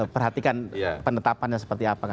perhatikan penetapannya seperti apa